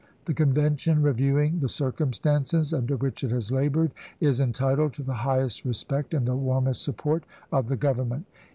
The Convention, reviewing the circum stances under which it has labored, is entitled to the highest respect and the warmest support of the Government.